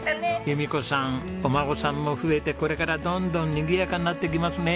由美子さんお孫さんも増えてこれからどんどんにぎやかになっていきますね。